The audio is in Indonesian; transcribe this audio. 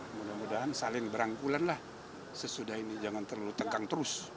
mudah mudahan saling berangkulan lah sesudah ini jangan terlalu tegang terus